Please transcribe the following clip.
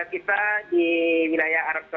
ya kita di wilayah arab tengah